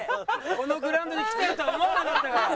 このグラウンドに来てるとは思わなかったから。